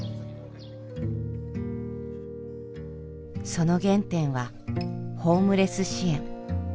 その原点はホームレス支援。